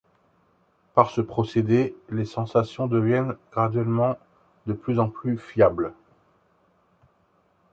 Par ce procédé, les sensations deviennent graduellement de plus en plus fiables.